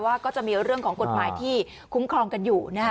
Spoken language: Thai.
ก็จะมีเรื่องของกฎหมายที่คุ้มครองกันอยู่นะฮะ